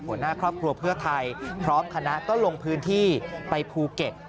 หัวหน้าครอบครัวเพื่อไทยพร้อมคณะก็ลงพื้นที่ไปภูเก็ต